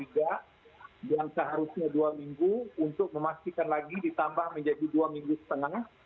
yang seharusnya dua minggu untuk memastikan lagi ditambah menjadi dua minggu setengah